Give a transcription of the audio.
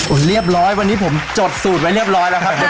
เรียบร้อยวันนี้ผมจดสูตรไว้เรียบร้อยแล้วครับผม